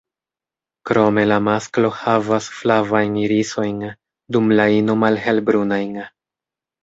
Krome la masklo havas flavajn irisojn, dum la ino malhelbrunajn.